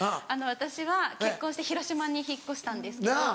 私は結婚して広島に引っ越したんですけど。